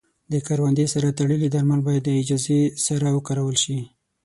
د کروندې سره تړلي درمل باید له اجازې سره وکارول شي.